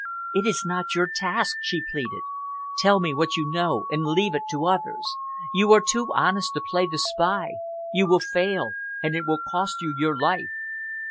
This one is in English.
"It is not your task," she pleaded. "Tell what you know, and leave it to others. You are too honest to play the spy. You will fail, and it will cost you your life."